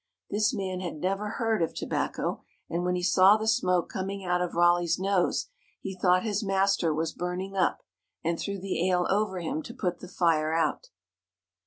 This man had never heard of tobacco, and when he saw the smoke coming out of Raleigh's nose he thought his master was burning up, and threw the ale over him to put the fire out.